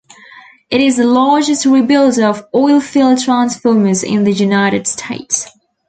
It is the largest rebuilder of oil-filled transformers in the United States.